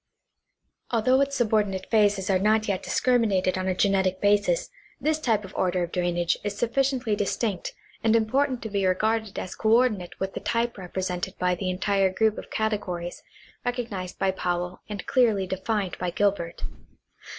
Although its subordinate phases are not yet discriminated on a genetic basis, this type or order of drainage is sufficiently distinct and important to be regarded as coordinate with the type repre sented by the entire group of categories recognized by Powell and clearly defined by Gilbei't.